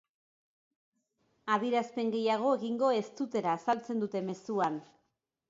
Adierazpen gehiago egingo ez dutela azaltzen dute mezuan.